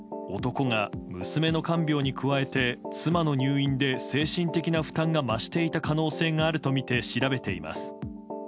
警察は、男が娘の看病に加えて妻の入院で精神的な負担が増していた可能性があるとみて調べています。